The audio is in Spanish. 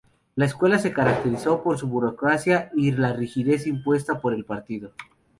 La escuela se caracterizó por su burocracia y la rigidez impuesta por el partido.